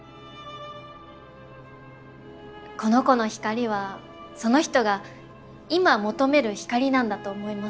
この子の光はその人が今求める光なんだと思います。